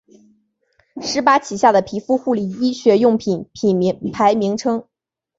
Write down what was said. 施巴旗下的皮肤护理医学用品品牌名称。